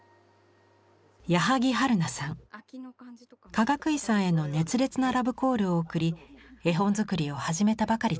かがくいさんへの熱烈なラブコールを送り絵本作りを始めたばかりでした。